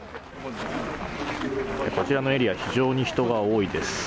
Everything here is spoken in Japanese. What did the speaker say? こちらのエリア非常に人が多いです。